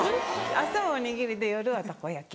朝おにぎりで夜はたこ焼き。